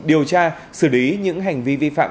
điều tra xử lý những hành vi vi phạm